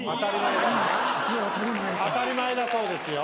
当たり前だそうですよ。